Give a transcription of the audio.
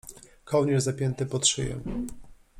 Kołnierz, zapięty pod szyję.